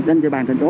quá trình quản lý đó